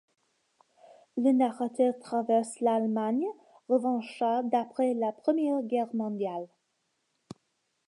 Le narrateur traverse l'Allemagne revancharde d'après la Première Guerre mondiale.